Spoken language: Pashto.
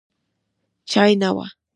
چای نه و.